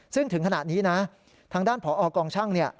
ซึ่งถึงขนาดนี้ทางด้านผกองช่าง